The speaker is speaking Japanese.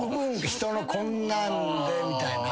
人のこんなんでみたいな。